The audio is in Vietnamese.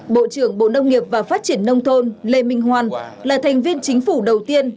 bộ trưởng bộ nông nghiệp và phát triển nông thôn lê minh hoan là thành viên chính phủ đầu tiên